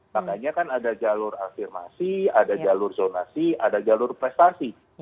makanya kan ada jalur afirmasi ada jalur zonasi ada jalur prestasi